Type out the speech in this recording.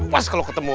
pas kalau ketemu